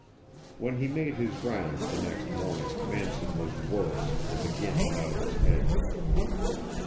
When he made his rounds the next morning Manson was worse and again out of his head.